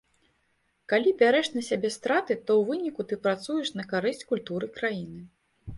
Калі бярэш на сябе страты, то ў выніку ты працуеш на карысць культуры краіны.